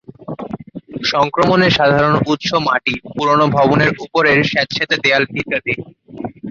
সংক্রমণের সাধারণ উৎস মাটি, পুরানো ভবনের উপরের স্যাঁতসেঁতে দেয়াল, ইত্যাদি।